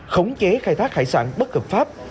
không chế khai thác hải sản bất hợp pháp